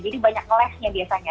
jadi banyak nge less nya biasanya